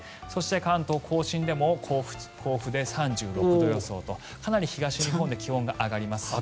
関東・甲信でも甲府で３６度予想とかなり東日本で気温が上がります。